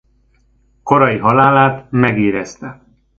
Korai halálát megérezte.